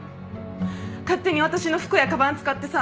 勝手に私の服やかばん使ってさ。